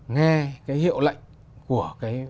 nghe cái hiệu lệnh của cái